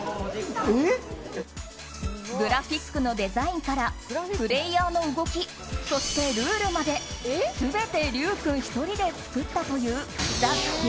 グラフィックのデザインからプレイヤーの動きそしてルールまで全てリュウ君１人で作ったという「ＴＨＥＧＡＴＥ」。